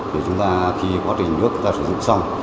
thì chúng ta khi quá trình nước chúng ta sử dụng xong